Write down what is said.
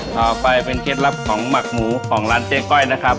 ต่อไปเป็นเคล็ดลับของหมักหมูของร้านเจ๊ก้อยนะครับ